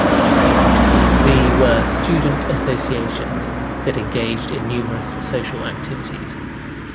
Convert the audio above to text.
The were student associations that engaged in numerous social activities.